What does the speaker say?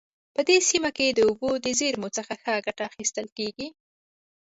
په دې سیمه کې د اوبو د زیرمو څخه ښه ګټه اخیستل کیږي